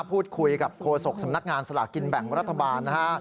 พูดคุยกับโฆษกสำนักงานสลากกินแบ่งรัฐบาลนะฮะ